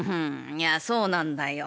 いやそうなんだよ。